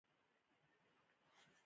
له تجربو نه زده کړه تکراري اشتباه ده.